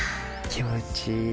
気持ちいい。